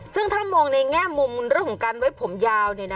ซึ่งถ้ามองในแง่มุมเรื่องของการไว้ผมยาว